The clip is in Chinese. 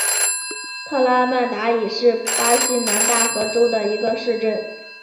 特拉曼达伊是巴西南大河州的一个市镇。